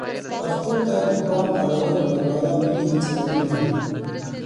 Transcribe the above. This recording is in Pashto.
پښتو ته د پام اړولو لپاره ملي هڅې اړینې دي.